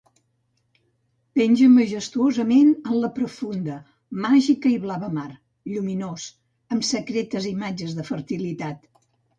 Penja majestuosament en la profunda, màgica i blava mar, lluminós, amb secretes imatges de fertilitat.